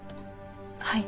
はい。